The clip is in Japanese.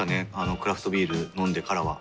クラフトビール飲んでからは。